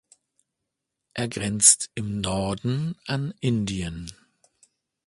Er grenzt im Norden an Indien.